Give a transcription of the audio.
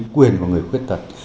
quyền của người khuyết thật